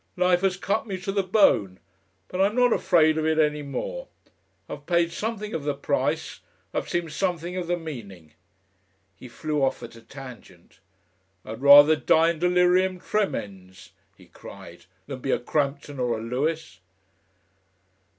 Life has cut me to the bone. But I'm not afraid of it any more. I've paid something of the price, I've seen something of the meaning." He flew off at a tangent. "I'd rather die in Delirium Tremens," he cried, "than be a Crampton or a Lewis...."